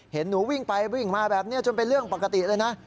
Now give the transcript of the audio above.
เห็นหนูวิ่งไปวิ่งมาแบบนี้จนเป็นเรื่องปกติเลยนะ